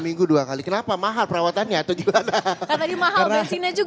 seminggu dua kali kenapa mahal perawatannya atau gimana